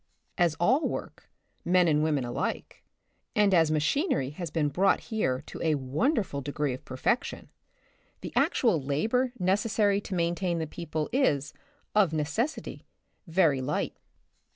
As all work, men and women alike, and as machinery has been brought here to a wonderful degree of perfection, the actual labor necessary to main tain the people is, of necessity, very light.